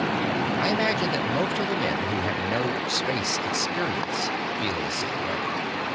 I imagine that most of the men who have no "space experience" feel the same way.